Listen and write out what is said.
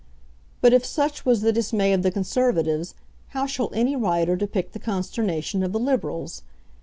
But if such was the dismay of the Conservatives, how shall any writer depict the consternation of the Liberals?